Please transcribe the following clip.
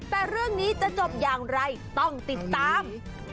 แต่เรื่องนี้จะจบอย่างไรต้องติดตาม